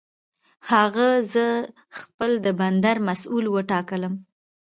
هغه زه خپل د بندر مسؤل وټاکلم.